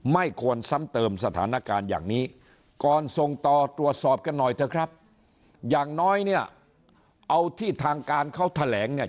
ไม่ควรซ้ำเติมสถานการณ์อย่างนี้ก่อนส่งต่อตรวจสอบกันหน่อยเถอะครับอย่างน้อยเนี่ยเอาที่ทางการเขาแถลงเนี่ย